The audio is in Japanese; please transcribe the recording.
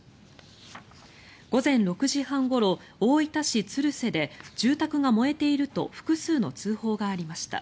午前６時半ごろ、大分市鶴瀬で住宅が燃えていると複数の通報がありました。